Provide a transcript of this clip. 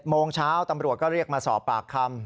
โมงเช้าตำรวจก็เรียกมาสอบปากคำ